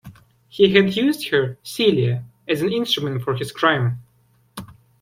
He had used her, Celia, as an instrument for his crime.